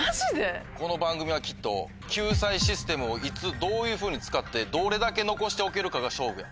この番組はきっと救済システムをいつどういうふうに使ってどれだけ残しておけるかが勝負や。